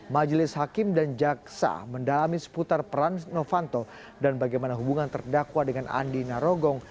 majelis hakim dan jaksa mendalami seputar peran novanto dan bagaimana hubungan terdakwa dengan andi narogong